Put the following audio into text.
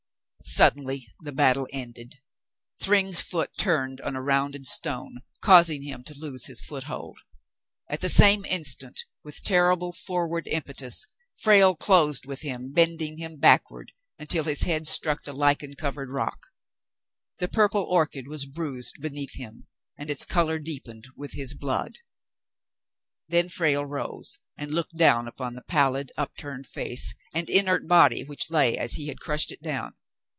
Suddenly the battle was ended. Thryng's foot turned, on a rounded stone, causing him to lose his foothold. At the same instant, with terrible forward impetus, Frale closed with him, bending him backward until his head struck the lichen covered rock. The purple orchid was bruised beneath him, and its color deepened with his blood. Then Frale rose and looked down upon the pallid, upturned face and inert body, which lay as he had crushed it down.